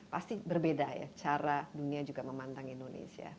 pasti berbeda ya cara dunia juga memandang indonesia